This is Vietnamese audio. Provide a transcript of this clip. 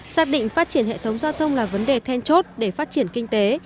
xác định phát triển hệ thống giao thông là vấn đề then chốt để phát triển kinh tế